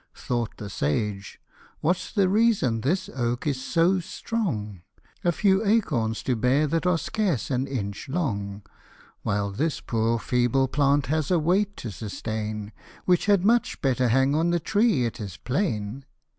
Thought the sage, " What's the reason this oak is so strong A few acorns to bear that are scarce an inch long ; While this poor feeble plant has a weight to sustain, Which had much better hang on the tree, it is plain